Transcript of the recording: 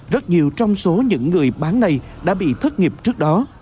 rất nhiều trong số những người bán này đã bị thất nghiệp trước đó